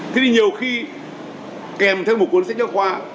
thì nhiều khi kèm theo một cuốn sách giáo khoa